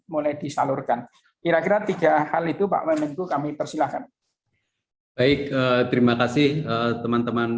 mulai disalurkan kira kira tiga hal itu pak wamenku kami persilahkan baik terima kasih teman teman